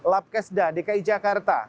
labkesda dki jakarta